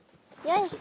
よし。